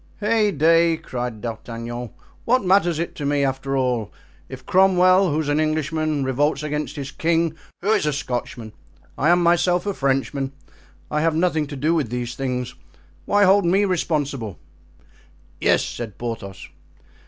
"Heyday!" cried D'Artagnan, "what matters it to me, after all, if Cromwell, who's an Englishman, revolts against his king, who is a Scotchman? I am myself a Frenchman. I have nothing to do with these things—why hold me responsible?" "Yes," said Porthos.